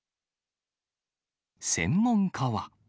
専門家は。